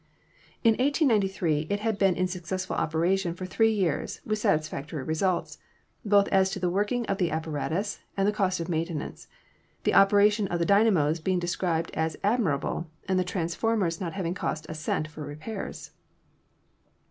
In 1893 ^ na d been in successful operation for three years with satisfactory results, both as to the working of the apparatus and the cost of maintenance, the opera tion of the dynamos being described as admirable and the transformers not having cost a cent for repairs.